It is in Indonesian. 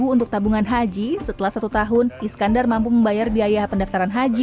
sepuluh untuk tabungan haji setelah satu tahun iskandar mampu membayar biaya pendaftaran haji